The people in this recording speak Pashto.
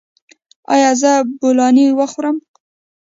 ایا زه بولاني وخورم؟